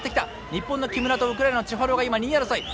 日本の木村とウクライナのチュファロウが今２位争い。